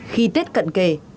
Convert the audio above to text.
khi tết cận kề